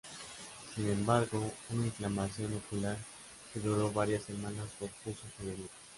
Sin embargo, una inflamación ocular que duró varias semanas pospuso su debut.